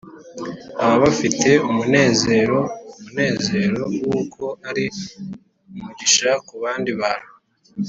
baba bafite umunezero, umunezero w’uko ari umugisha ku bandi bantu